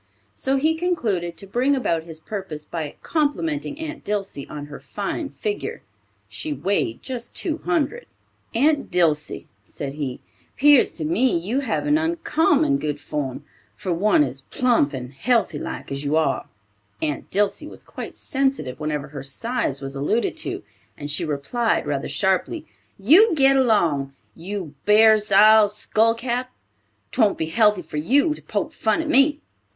So he concluded to bring about his purpose by complimenting Aunt Dilsey on her fine figure (she weighed just two hundred!). "Aunt Dilsey," said he, "'pears to me you have an uncommon good form, for one as plump and healthy like as you are." Aunt Dilsey was quite sensitive whenever her size was alluded to, and she replied rather sharply: "You git along, you bar's ile skullcap. 'Twon't be healthy for you to poke fun at me."